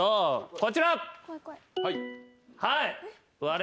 こちら。